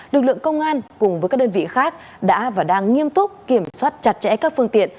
lực lượng công an cùng với các đơn vị khác đã và đang nghiêm túc kiểm soát chặt chẽ các phương tiện